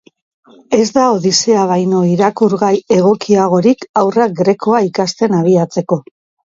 Ez da Odyssea baino irakurgai egokiagorik haurrak grekoa ikasten abiatzeko.